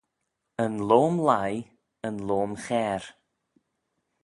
Yn loam leigh, yn loam chair